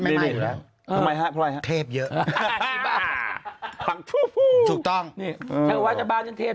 ไหมอยู่แล้วเออที่บ้านถูกต้องนี่ถ้าว่าจะบ้านยังเทพ